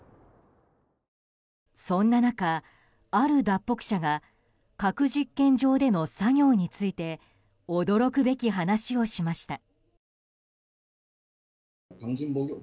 そんな中、ある脱北者が核実験場での作業について驚くべき話をしました。